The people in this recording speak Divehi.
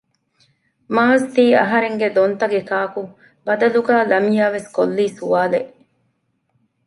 މާޒްތީ އަހަރެންގެ ދޮންތަގެ ކާކު؟ ބަދަލުގައި ލަމްޔާވެސް ކޮށްލީ ސުވާލެއް